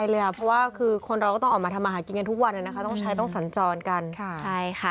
เดือดร้อนนะคะ